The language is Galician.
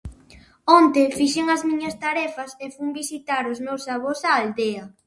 Onte fixen as miñas tarefas e fun visitar aos meus avós á aldea.